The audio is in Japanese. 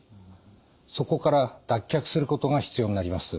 そこから脱却することが必要になります。